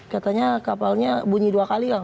katanya kapalnya bunyi dua kali kang